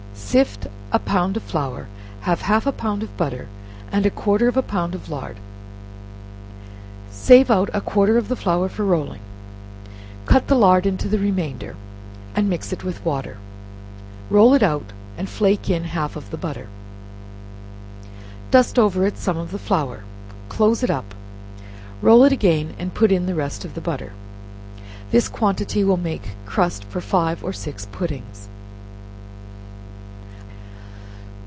Sift a pound of flour, have half a pound of butter and quarter of a pound of lard, save out a quarter of the flour for rolling, cut the lard into the remainder, and mix it with water; roll it out, and flake in half of the butter; dust over it some of the flour, close it up; roll it again, and put in the rest of the butter. This quantity will make crust for five or six puddings.